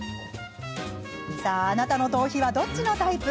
あなたの頭皮はどっちのタイプ？